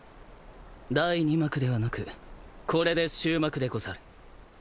第二幕ではなくこれで終幕でござる。